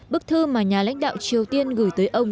bức thư mà nhà lãnh đạo triều tiên gửi tới ông